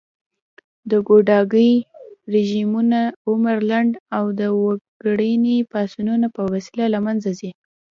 د ګوډاګي رژيمونه عمر لنډ او د وګړني پاڅونونو په وسیله له منځه ځي